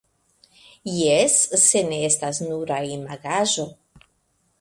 Jes, se ne estas nura imagaĵo.